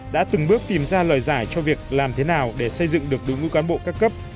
đã từng bước tìm ra lời giải cho việc làm thế nào để xây dựng được đối ngũ cán bộ các cấp